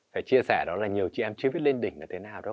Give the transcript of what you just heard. phải chia sẻ đó là nhiều chị em chưa biết lên đỉnh là thế nào đâu